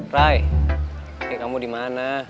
rai kamu dimana